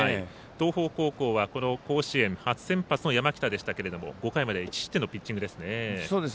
東邦高校はこの甲子園初先発の山北でしたけれども５回まで１失点のピッチングですね。